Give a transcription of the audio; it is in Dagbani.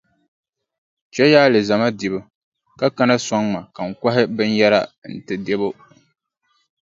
Chɛliya alizama dibu ka kana sɔŋ ma ka n kɔhi binyɛra n-ti Debo.